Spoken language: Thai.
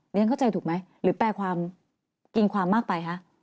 เรียนเข้าใจถูกไหมหรือแปลความกินความมากไปคะ